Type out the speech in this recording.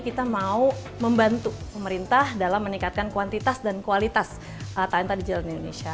kita mau membantu pemerintah dalam meningkatkan kuantitas dan kualitas talenta di jalan indonesia